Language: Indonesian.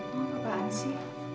kenapa pak ansi